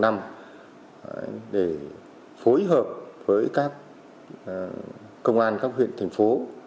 để phối hợp với các công an các huyện thành phố